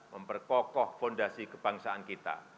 memperkokoh fondasi kebangsaan kita